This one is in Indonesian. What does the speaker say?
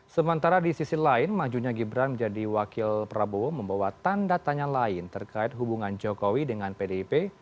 sementara di sisi lain majunya gibran menjadi wakil prabowo membawa tanda tanya lain terkait hubungan jokowi dengan pdip